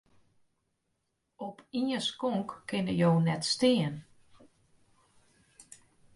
Op ien skonk kinne jo net stean.